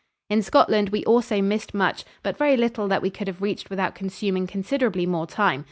In Scotland we also missed much, but very little that we could have reached without consuming considerably more time.